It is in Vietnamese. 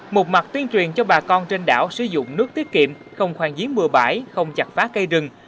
một mặt tuyên truyền cho bà con trên đảo sử dụng nước tiết kiệm không khoan giếng bừa bãi không chặt phá cây rừng